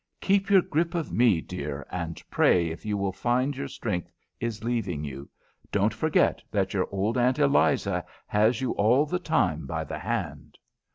Keep your grip of me, dear, and pray if you find your strength is leaving you. Don't forget that your old aunt Eliza has you all the time by the hand."